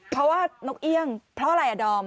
เพราะว่านกเอี่ยงเพราะอะไรอ่ะดอม